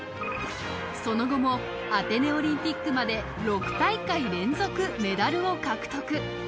その後もアテネオリンピックまで６大会連続メダルを獲得。